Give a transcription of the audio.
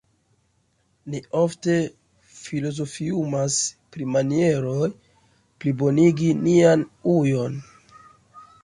Ni ofte filozofiumas pri manieroj plibonigi nian ujon.